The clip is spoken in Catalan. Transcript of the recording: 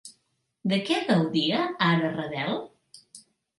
De què gaudia ara Ravel?